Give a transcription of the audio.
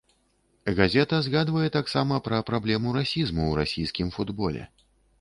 Газета згадвае таксама пра праблему расізму ў расійскім футболе.